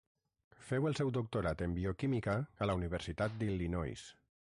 Féu el seu doctorat en Bioquímica a la Universitat d'Illinois.